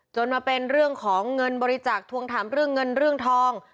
มาเป็นเรื่องของเงินบริจาคทวงถามเรื่องเงินเรื่องทอง